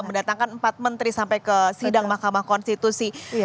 mendatangkan empat menteri sampai ke sidang mahkamah konstitusi